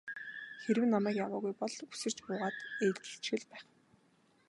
Хэрэв намайг яваагүй бол үсэрч буугаад ээлжилчих л байх.